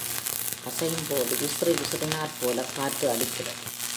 அசையும்போது விசிறி விசிறினாற்போலக் காற்று அடிக்கின்றது.